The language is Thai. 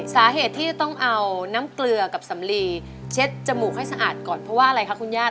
สาเหตุที่จะต้องเอาน้ำเกลือกับสำลีเช็ดจมูกให้สะอาดก่อนเพราะว่าอะไรคะคุณญาติ